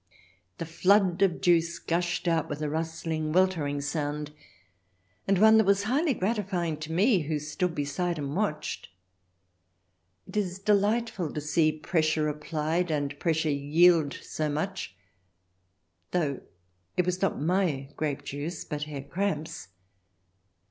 The flood of juice gushed out with a rustling, weltering sound, and one that was highly gratifying to me who stood beside and watched. It is delight ful to see pressure applied and pressure yield so much, though it was not my grape juice but Herr Kramp's.